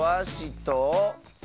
と。